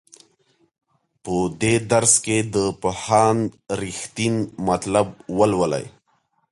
په دې درس کې د پوهاند رښتین مطلب ولولئ.